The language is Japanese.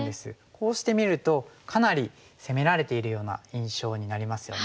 こうしてみるとかなり攻められているような印象になりますよね。